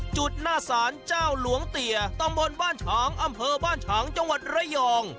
หน้าศาลเจ้าหลวงเตียตำบลบ้านฉางอำเภอบ้านฉางจังหวัดระยอง